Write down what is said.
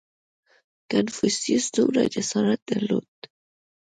• کنفوسیوس دومره جسارت درلود.